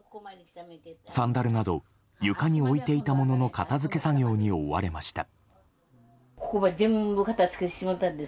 サンダルなど床に置いていたものの片付け作業に追われました。